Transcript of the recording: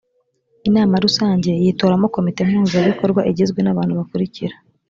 inama rusange yitoramo komite mpuzabikorwa igizwe nabantu bakurikira